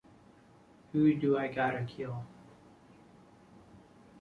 Who Do I Gotta Kill?